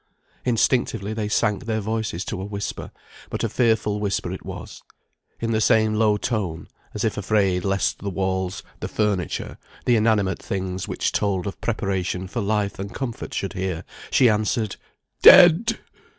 Instinctively they sank their voices to a whisper; but a fearful whisper it was. In the same low tone, as if afraid lest the walls, the furniture, the inanimate things which told of preparation for life and comfort, should hear, she answered, "Dead!"